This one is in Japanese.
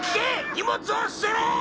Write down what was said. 荷物を捨てろ！